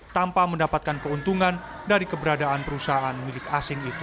tanpa mendapatkan keuntungan dari keberadaan perusahaan milik asing itu